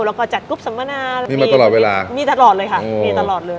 แล้วก็จัดกรุ๊ปสัมมนามีตลอดเวลามีตลอดเลยค่ะมีตลอดเลย